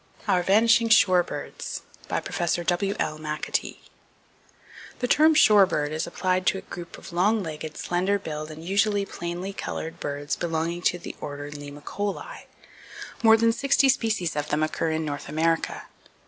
Our Vanishing Shorebirds By Prof. W.L. McAtee The term shorebird is applied to a group of long legged, slender billed, and usually plainly colored birds belonging to the order Limicolae. More than sixty species of them occur in North America.